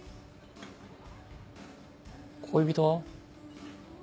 恋人は？